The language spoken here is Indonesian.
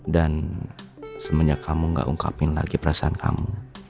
dan semenjak kamu gak ungkapin lagi perasaan kamu